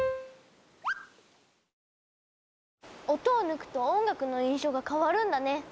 音を抜くと音楽の印象が変わるんだね。